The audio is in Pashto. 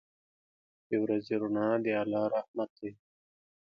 • د ورځې رڼا د الله رحمت دی.